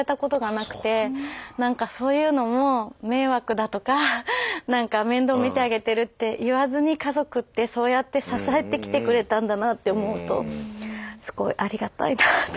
何かそういうのも迷惑だとか何か面倒見てあげてるって言わずに家族ってそうやって支えてきてくれたんだなって思うとすごいありがたいなぁと思って。